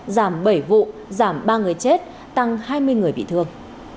giảm bảy vụ giảm ba người chết tăng hai mươi người bị thương